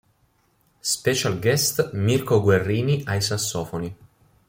Special guest Mirko Guerrini ai sassofoni.